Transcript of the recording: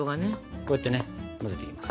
こうやってね混ぜていきます。